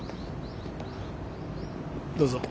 どうぞ。